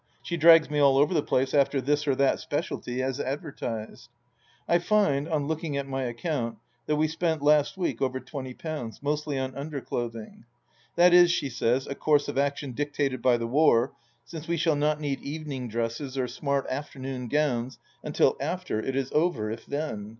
She drags me all over the place after this or that specialty as advertised. I find, on looking at my account, that we spent last week over twenty pounds, mostly on imderclothing. That is, she says, a course of action dictated by the war, since we shall not need evening dresses or smart afternoon gowns until after it is over, if then.